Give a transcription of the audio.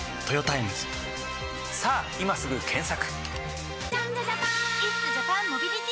さぁ今すぐ検索！